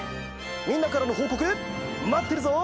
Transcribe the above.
みんなからのほうこくまってるぞ！